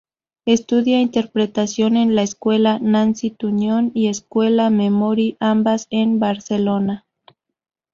Estudia interpretación en la Escuela Nancy Tuñón, y Escuela Memory, ambas en Barcelona.